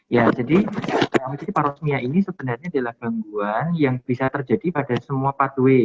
ya jadi parosmia ini sebenarnya adalah gangguan yang bisa terjadi pada semua pathway